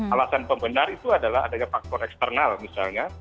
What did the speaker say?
alasan pembenar itu adalah adanya faktor eksternal misalnya